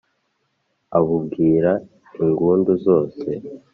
abubwiriza ingundu, zose